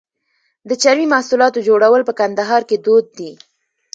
د چرمي محصولاتو جوړول په کندهار کې دود دي.